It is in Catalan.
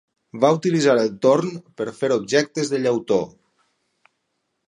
Va utilitzar el torn per fer objectes de llautó.